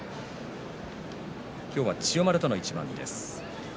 今日は千代丸との一番です。